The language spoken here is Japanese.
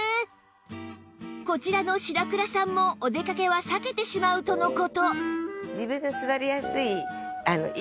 こちらの白倉さんもお出かけは避けてしまうとの事